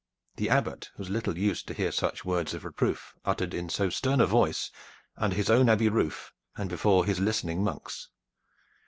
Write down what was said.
The Abbot was little used to hear such words of reproof uttered in so stern a voice under his own abbey roof and before his listening monks.